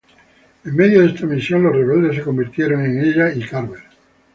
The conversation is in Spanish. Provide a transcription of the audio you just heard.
En medio de esta misión, los rebeldes se convierten en ella y Carver.